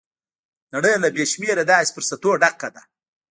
نړۍ له بې شمېره داسې فرصتونو ډکه ده.